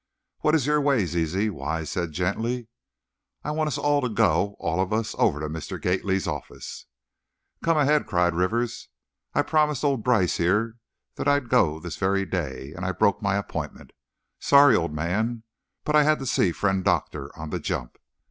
"What is your way, Zizi?" Wise said, gently. "I want us all to go all of us, over to Mr. Gately's office " "Come ahead!" cried Rivers; "I promised old Brice, here, that I'd go this very day, and I broke my appointment. Sorry, old man, but I had to see Friend Doctor, on the jump.